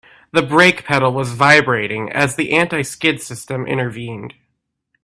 The brake pedal was vibrating as the anti-skid system intervened.